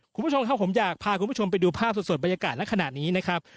คุณผู้ชมครับผมอยากพาคุณผู้ชมไปดูภาพสดบรรยากาศในขณะนี้นะครับ